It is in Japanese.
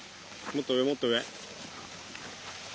もっと上もっと上。